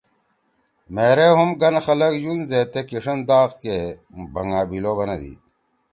مھیرے ہم گن خلگ یُن زید تے کیِݜن داغ کے بھنگابلو بنَدی۔